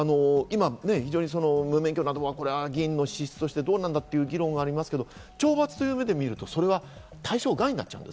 無免許など議員の資質としてどうなんだという議論がありますけど懲罰という目で見ると、それは対象外になっちゃう。